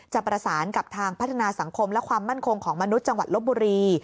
จะประสานกับทางพัฒนาสังคมและความมั่นคงของมนุษย์จังหวัดลบบุรี